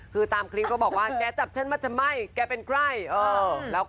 คือตามคลิปก็บอกว่าแกจับฉันมาทำไมแกเป็นใคร